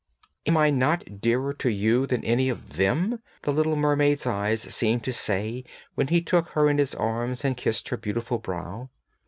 'Am I not dearer to you than any of them?' the little mermaid's eyes seemed to say when he took her in his arms and kissed her beautiful brow.